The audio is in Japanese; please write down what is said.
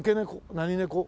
何猫？